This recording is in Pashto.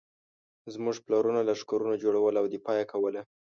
زموږ پلرونو لښکرونه جوړول او دفاع یې کوله.